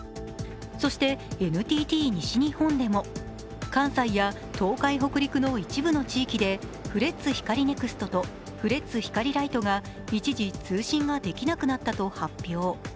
そしてＮＴＴ西日本でも、関西や東海、北陸の一部の地域でフレッツ光ネクストとフレッツ光ライトが一時通信ができなくなったと発表。